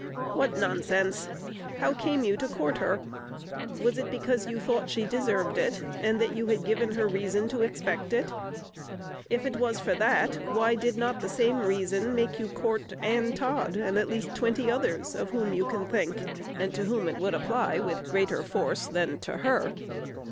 What nonsense! How came you to court her? Was it because you thought she deserved it, and that you had given her reason to expect it? If it was for that, why did not the same reason make you court Ann Todd, and at least twenty others of whom you can think, and to whom it would apply with greater force than to _her?